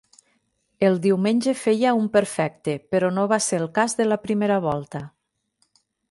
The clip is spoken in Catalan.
El diumenge feia un perfecte, però no va ser el cas de la primera volta.